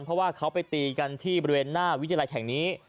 เพราะว่าเขาไปตีกันที่บริเวณหน้าวิทยาลัยแห่งนี้